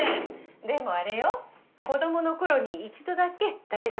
でもあれよ子どもの頃に一度だけ食べさせただけ。